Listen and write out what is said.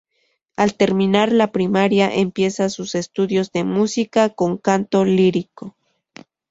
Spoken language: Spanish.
Al terminar la primaria empieza sus estudios de música con canto lírico.